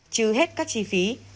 trừ hết các chi phí